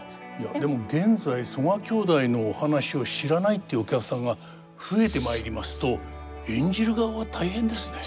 でも現在曽我兄弟のお話を知らないっていうお客さんが増えてまいりますと演じる側は大変ですね。